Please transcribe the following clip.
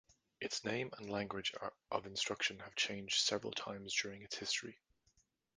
Its name and language of instruction have changed several times during its history.